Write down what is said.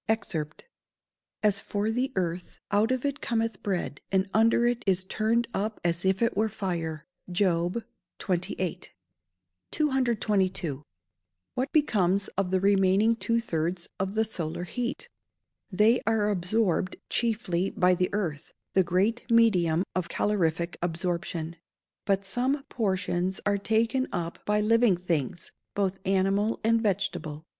[Verse: "As for the earth, out of it cometh bread; and under it is turned up as it were fire." JOB XXVIII.] 222. What becomes of the remaining two thirds of the solar heat? They are absorbed chiefly by the earth, the great medium of calorific absorption; but some portions are taken up by living things, both animal and vegetable.